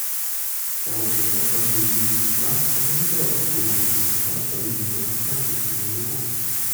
Сообщество франкоязычных стран — это не просто группа государств, объединенных французским языком.